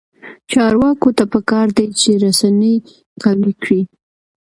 چارواکو ته پکار ده چې، رسنۍ قوي کړي.